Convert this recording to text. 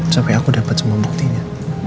sampai aku dapat semua buktinya